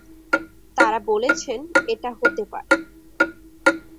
তাঁরা বলেছেন এটা হতে পারে।